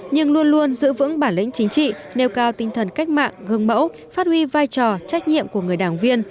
nhưng luôn luôn giữ vững bản lĩnh chính trị nêu cao tinh thần cách mạng gương mẫu phát huy vai trò trách nhiệm của người đảng viên